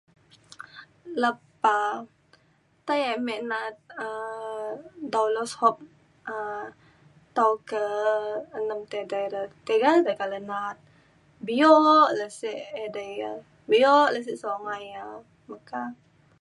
lepa tai ame na’at um Doulos Hope um dau ke enem te edei re tiga ale ke na’at bio le sek edei ia’ bio le sek sungai ia’ meka.